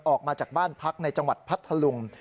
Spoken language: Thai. ออกมาจากบ้านพักในจังหวัดพัทธลุง